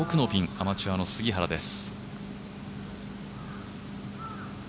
アマチュアの杉原です。